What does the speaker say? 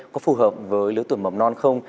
có phù hợp với lứa tuổi mầm non không